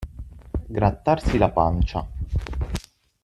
Grattarsi la pancia.